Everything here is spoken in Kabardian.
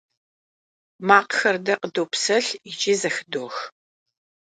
Makhxer de khıdopselh yiç'i zexıdox.